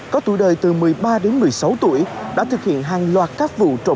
có tuổi đời từ một mươi ba đến một mươi sáu tuổi đã thực hiện hàng loạt các vụ trộm